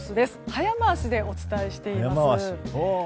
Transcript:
早回しでお伝えしています。